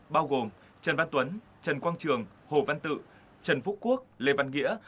bao gồm trần văn tuấn trần quang trường hồ văn tự trần phúc quốc lê văn nghĩa